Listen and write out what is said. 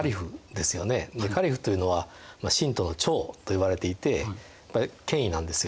カリフっていうのは信徒の長と呼ばれていて権威なんですよ。